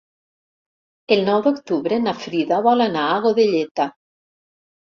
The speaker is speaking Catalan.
El nou d'octubre na Frida vol anar a Godelleta.